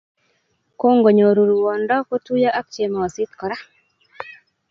Kongonyor ruondo kotuiyo ak chemosit kora